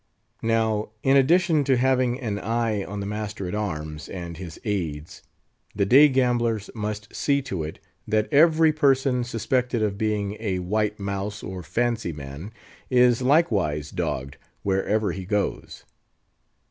Now, in addition to having an eye on the master at arms and his aids, the day gamblers must see to it, that every person suspected of being a white mouse or fancy man, is like wise dogged wherever he goes.